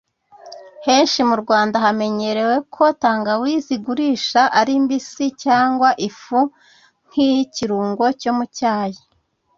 Henshi mu Rwanda hamenyerewe ko tangawizi igurisha ari mbisi cyangwa ifu nk’ikirungo cyo mu cyayi